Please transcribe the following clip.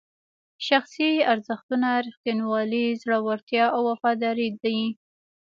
شخصي ارزښتونه ریښتینولي، زړورتیا او وفاداري دي.